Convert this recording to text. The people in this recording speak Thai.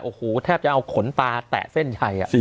โอ้โหแทบจะเอาขนตาแตะเส้นชัย